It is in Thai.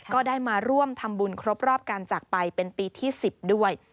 ก็ได้มาร่วมทำบุญครบรอบการจากไปเป็นปีที่๑๐ด้วย